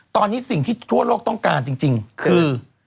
ตอนนี้สิ่งที่ทั่วโลกต้องการจริงคือ